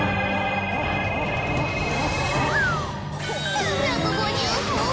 ３５０ほぉ。